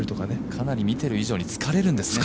かなり見てる以上に疲れるんですね。